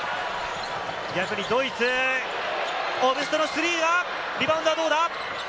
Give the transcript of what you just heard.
逆にドイツ、オブストのスリーはリバウンドはどうだ？